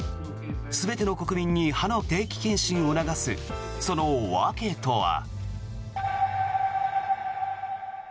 全ての国民に歯の定期検診を促すその訳とは。